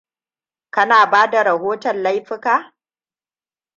Kana bada rahoton laifuka?